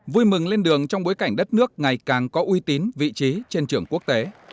vui mừng lên đường trong bối cảnh đất nước ngày càng có uy tín vị trí trên trường quốc tế